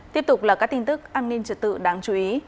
tiếp tục là các tin tức an ninh trật tự đáng chú ý